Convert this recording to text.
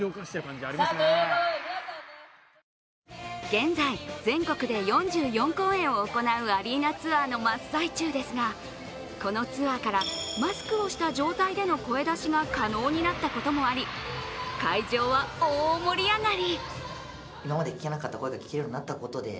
現在、全国で４４公演を行うアリーナツアーの真っ最中ですがこのツアーからマスクをした状態での声出しが可能になったこともあり会場は大盛り上がり。